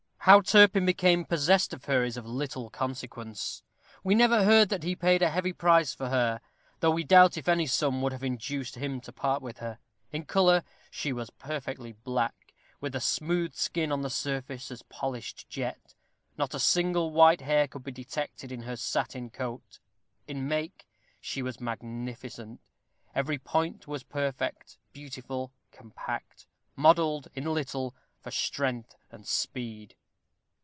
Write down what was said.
How Turpin became possessed of her is of little consequence. We never heard that he paid a heavy price for her; though we doubt if any sum would have induced him to part with her. In color, she was perfectly black, with a skin smooth on the surface as polished jet; not a single white hair could be detected in her satin coat. In make she was magnificent. Every point was perfect, beautiful, compact; modelled, in little, for strength and speed.